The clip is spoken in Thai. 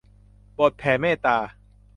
บทแผ่เมตตา